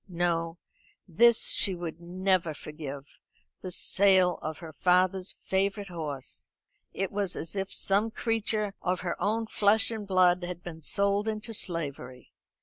No; this she would never forgive this sale of her father's favourite horse. It was as if some creature of her own flesh and blood had been sold into slavery.